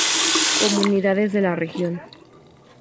Comunidades de la región